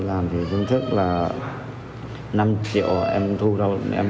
làm thì chứng thức là năm triệu em thu ra